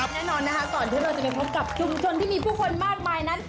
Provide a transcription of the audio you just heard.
แน่นอนนะคะก่อนที่เราจะไปพบกับชุมชนที่มีผู้คนมากมายนั้น